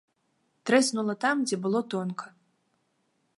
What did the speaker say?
Трэснула там, дзе было тонка.